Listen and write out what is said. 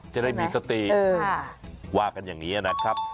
จะได้มีสติว่ากันอย่างนี้นะครับ